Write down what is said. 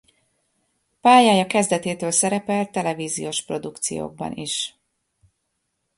Pályája kezdetétől szerepelt televíziós produkciókban is.